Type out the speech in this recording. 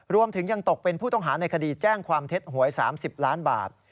รวมถึงยังตกเป็นผู้ต้องหาในคดีแจ้งความเท็จหวย๓๐ล้านบาท